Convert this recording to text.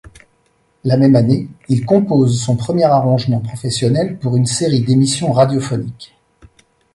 La même année, il compose son premier arrangement professionnel pour une série d'émissions radiophoniques.